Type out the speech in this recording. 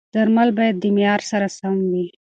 درمل باید د معیار سره سم وي.